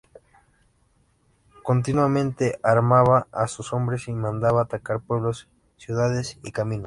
Continuamente armaba a sus hombres y mandaba atacar pueblos, ciudades y caminos.